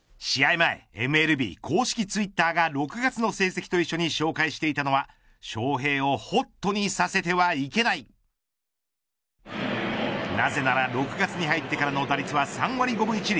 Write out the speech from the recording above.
前ＭＬＢ公式ツイッターが６月の成績と一緒に紹介していたのは翔平をホットにさせてはいけないなぜなら６月に入ってからの打率は３割５分１厘。